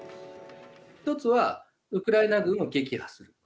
１つはウクライナ軍を撃破する。